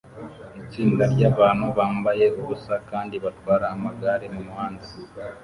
Itsinda ryabantu bambaye ubusa kandi batwara amagare mumuhanda